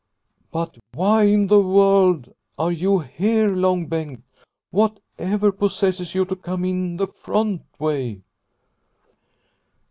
" But why in the world are you here, Long Bengt ? Whatever possesses you to come in the front way